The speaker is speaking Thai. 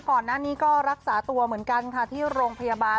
ก่อนหน้านี้ก็รักษาตัวเหมือนกันค่ะที่โรงพยาบาล